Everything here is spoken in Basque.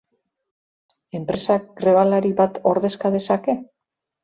Enpresak grebalari bat ordezka dezake?